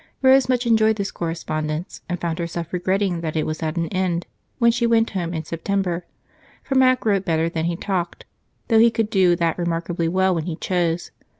Rose much enjoyed this correspondence, and found herself regretting that it was at an end when she went home in September, for Mac wrote better than he talked, though he could do that remarkably well when he chose.